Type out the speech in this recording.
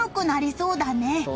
そうだね。